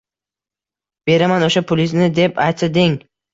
beraman o‘sha pulizni deb aytsa deng.